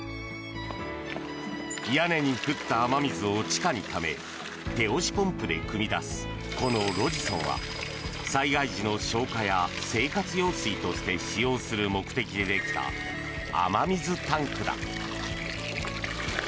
屋根に降った雨水を地下にため手押しポンプでくみ出すこの路地尊は、災害時の消火や災害時の生活用水として使用する目的でできた、雨水タンクだ。